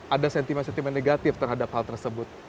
ada sentimen sentimen negatif terhadap hal tersebut